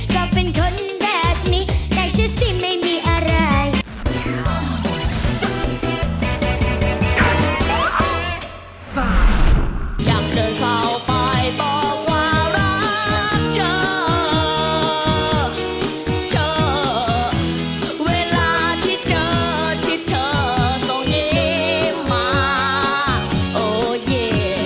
อยากเดินเข้าไปต้องว่ารักเธอเธอเวลาที่เจอที่เธอสงิมมาโอ้เย่